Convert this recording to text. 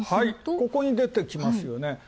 ここに出てきますよね。